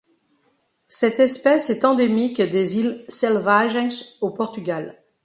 Cette espèce est endémique des îles Selvagens au Portugal.